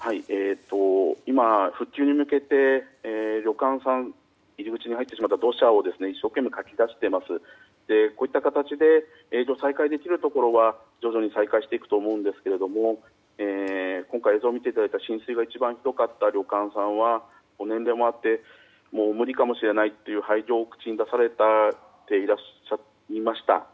今、復旧に向けて旅館さん入り口に入ってしまった土砂を一生懸命かき出してこういった形で再開できるところは徐々に再開していくと思うんですけれども今回映像を見ていただいた一番浸水がひどかった旅館さんは年齢もあってもう無理かもしれないと廃業を口に出された方もいました。